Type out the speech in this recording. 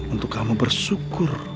untuk kamu bersyukur